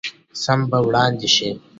سند به وړاندې شي.